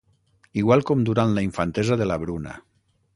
Igual com durant la infantesa de la Bruna.